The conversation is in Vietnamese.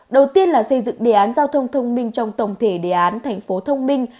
đầu tiên là xây dựng đề án giao thông thông minh trong tổng thể đề án thành phố thông minh